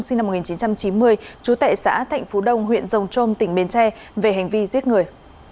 sinh năm một nghìn chín trăm chín mươi chú tệ xã thạnh phú đông huyện rồng trôm tỉnh bến tre về hành vi giết người